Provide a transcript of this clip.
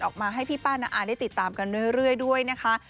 ออกมาให้พี่ป้าน้าอาได้ติดตามกันเรื่อยด้วยนะคะ